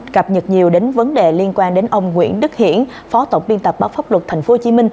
cập nhật nhiều đến vấn đề liên quan đến ông nguyễn đức hiển phó tổng biên tập báo pháp luật tp hcm